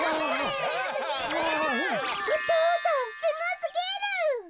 お父さんすごすぎる！